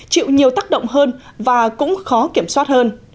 chịu nhiều tác động hơn và cũng khó kiểm soát hơn